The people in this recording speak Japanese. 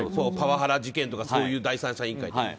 パワハラ事件とかそういうのの第三者委員会って。